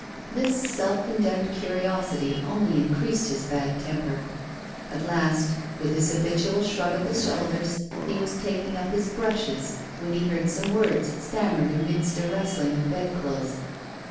This self condemned curiosity only increased his bad temper. At last, with his habitual shrug of the shoulders, he was taking up his brushes, when he heard some words stammered amidst a rustling of bed clothes.